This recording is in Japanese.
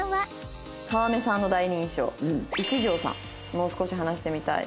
もう少し話してみたい」。